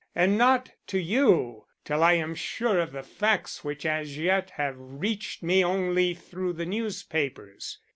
And not to you till I am sure of the facts which as yet have reached me only through the newspapers.